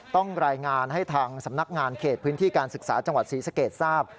ต้องรายงานให้ทางสำนักงานเขตพื้นที่การศึกษาจังหวัดศรีสเกตทราบ